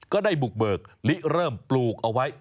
ก็ได้บุกเบิกลิเริ่มปลูกเอาไว้